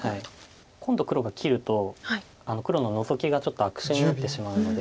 今度黒が切ると黒のノゾキがちょっと悪手になってしまうので。